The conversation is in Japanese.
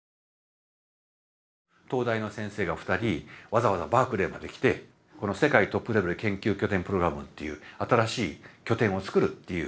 東大の先生が２人わざわざバークレーまで来て世界トップレベル研究拠点プログラムっていう新しい拠点を作るっていうプログラムが生まれた。